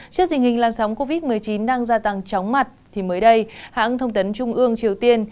trước tình hình làn sóng covid một mươi chín đang gia tăng chóng mặt thì mới đây hãng thông tấn trung ương triều tiên